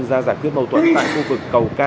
ra giải quyết mâu thuẫn tại khu vực cầu k một mươi ba